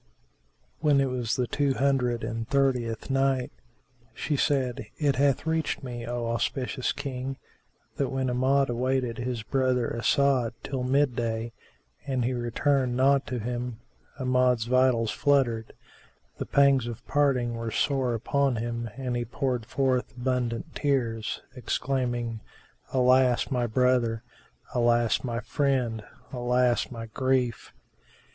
When it was the Two Hundred and Thirtieth Night, She said, It hath reached me, O auspicious King, that when Amjad awaited his brother As'ad till mid day and he returned not to him, Amjad's vitals fluttered; the pangs of parting were sore upon him and he poured forth abundant tears, exclaiming, "Alas, my brother! Alas, my friend! Alas my grief!